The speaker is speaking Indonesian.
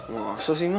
wah gak usah sih ma